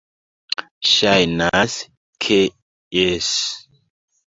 Ŝajnas, ke jes.